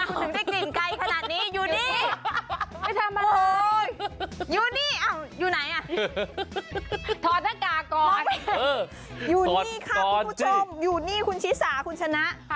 ขอบคุณผู้ชมอยู่นี่คุณชิสาคุณชนะ